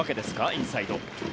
インサイド。